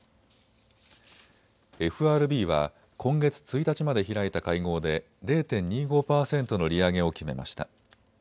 ＦＲＢは今月１日まで開いた会合で０．２５％の利上げを決めました。